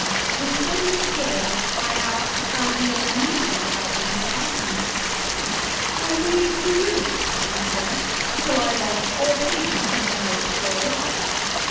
With some misgivings, I asked how he had amused himself in my absence. "I waited for you," he said, "till I lost all patience, and went out for a walk.